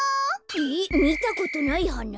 えっみたことないはな？